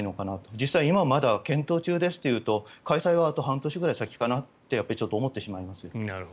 実際、まだ検討中ですというと開催はあと半年くらい先かなと思ってしまいます。